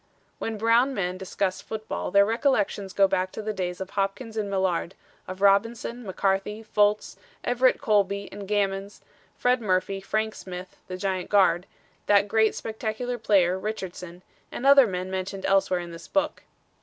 When Brown men discuss football their recollections go back to the days of Hopkins and Millard, of Robinson, McCarthy, Fultz, Everett Colby and Gammons, Fred Murphy, Frank Smith, the giant guard; that great spectacular player, Richardson, and other men mentioned elsewhere in this book.